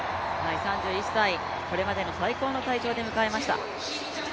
３１歳、これまでの最高の体調で迎えました。